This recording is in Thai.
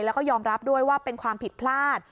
แล้วก็ยอมรับด้วยว่าเป็นความผิดพลาด